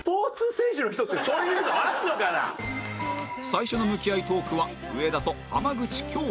最初の向き合いトークは